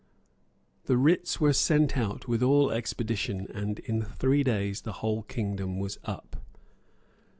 The writs were sent out with all expedition; and in three days the whole kingdom was up.